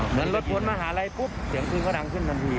เหมือนรถพ้นมหาลัยปุ๊บเสียงปืนก็ดังขึ้นทันที